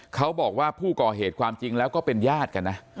เขาบอกว่าผู้ก่อเหตุความจริงแล้วก็เป็นญาติกันนะ